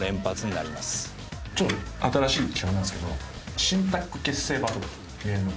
ちょっと新しい企画なんですけど新タッグ結成バトルゲームが。